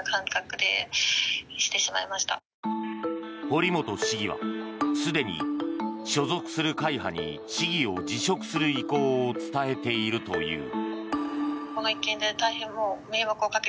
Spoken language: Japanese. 堀本市議はすでに所属する会派に市議を辞職する意向を伝えているという。